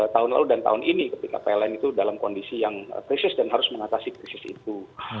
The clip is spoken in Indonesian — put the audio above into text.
tahun lalu dan tahun ini ketika pln itu dalam kondisi yang krisis dan harus mengatasi krisis itu